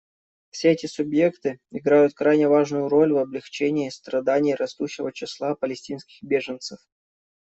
Все эти субъекты играют крайне важную роль в облегчении страданий растущего числа палестинских беженцев.